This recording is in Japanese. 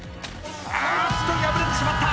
あーっと破れてしまった！